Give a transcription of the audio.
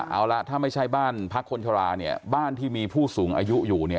เอาล่ะถ้าไม่ใช่บ้านพักคนชราเนี่ยบ้านที่มีผู้สูงอายุอยู่เนี่ย